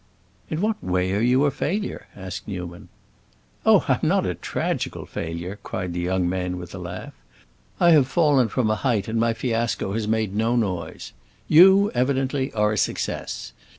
"In what way are you a failure?" asked Newman. "Oh, I'm not a tragical failure!" cried the young man with a laugh. "I have fallen from a height, and my fiasco has made no noise. You, evidently, are a success.